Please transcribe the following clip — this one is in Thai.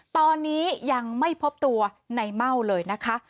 ตอนนี้ยังไม่พบตัวในเม่าเลยนะคะ